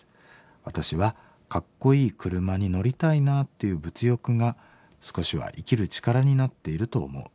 私はかっこいい車に乗りたいなっていう物欲が少しは生きる力になっていると思う。